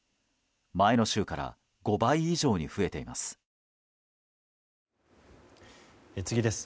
前の週から５倍以上に増えています。